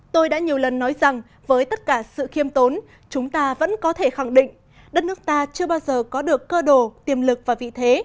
tôi đã nhiều lần nói rằng với tất cả sự khiêm tốn chúng ta vẫn có thể khẳng định đất nước ta chưa bao giờ có được cơ đồ tiềm lực và vị thế